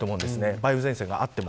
梅雨前線があっても。